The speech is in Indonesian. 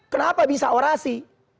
kenapa bisa orasi